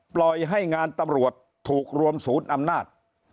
ปล่อยให้งานตำรวจถูกรวมศูนย์อำนาจ